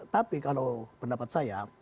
tapi kalau pendapat saya